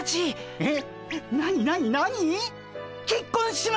えっ。